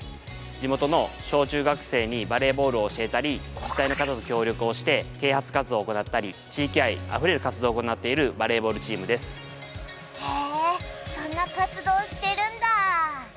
地元の小中学生にバレーボールを教えたり自治体の方と協力をして啓発活動を行ったり地域愛あふれる活動を行っているバレーボールチームですへえそんな活動してるんだ